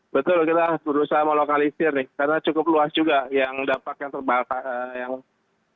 betul kita berusaha melokalisir nih karena cukup luas juga yang dampak yang terbakar